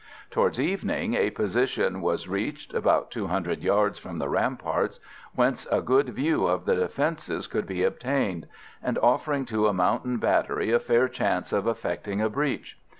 Towards evening a position was reached, about 200 yards from the ramparts, whence a good view of the defences could be obtained, and offering to a mountain battery a fair chance of effecting a breach.